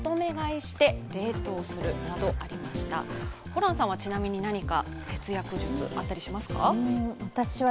ホランさんは、ちなみに何か節約術あったりしますか？